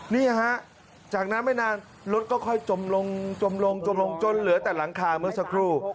นี่ฮะจากนั้นไม่นานรถก็ค่อยจมลงจมลงจมลงจนเหลือแต่หลังคาเมื่อสักครู่